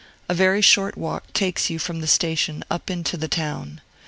A very short walk takes you from the station up into the town.